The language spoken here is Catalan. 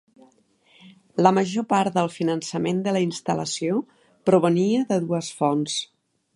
La major part del finançament de la instal·lació provenia de dues fonts.